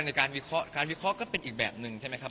ในการวิเคราะห์การวิเคราะห์ก็เป็นอีกแบบหนึ่งใช่ไหมครับ